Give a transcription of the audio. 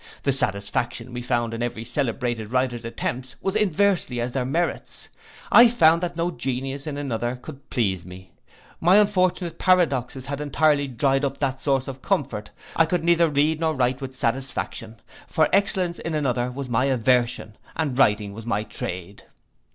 The satisfaction we found in every celebrated writer's attempts, was inversely as their merits. I found that no genius in another could please me. My unfortunate paradoxes had entirely dried up that source of comfort. I could neither read nor write with satisfaction; for excellence in another was my aversion, and writing was my trade.